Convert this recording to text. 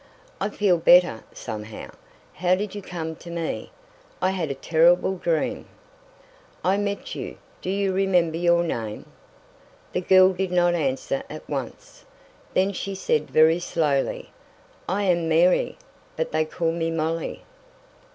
"I feel better somehow. How did you come to me? I had a terrible dream." "I met you. Do you remember your name?" The girl did not answer at once. Then she said very slowly: "I am Mary, but they call me Molly."